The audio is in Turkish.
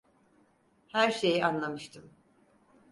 Her şeyi anlamıştım.